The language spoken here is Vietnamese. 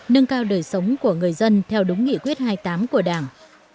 nâng cao đời sống của người dân theo đúng nghị quyết hai mươi tám của đảng